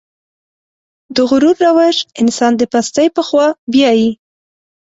د غرور روش انسان د پستۍ په خوا بيايي.